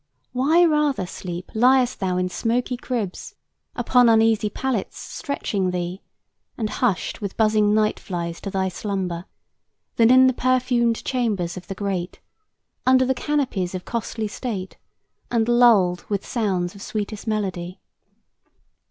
Why rather, Sleep, liest thou in smoky cribs, Upon uneasy pallets stretching thee, And hushed with buzzing night flies to thy slumber, Than in the perfumed chambers of the great, Under the canopies of costly state, And lulled with sounds of sweetest melody?